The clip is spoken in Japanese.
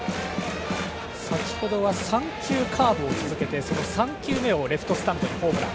先程は３球カーブを続けてその３球目をレフトスタンドにホームラン。